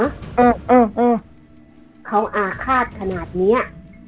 เออเออเออเขาอาฆาตขนาดเนี้ย